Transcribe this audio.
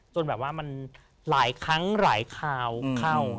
แบบว่ามันหลายครั้งหลายคราวเข้า